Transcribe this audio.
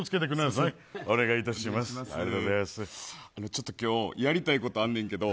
ちょっと今日やりたいことあんねんけど？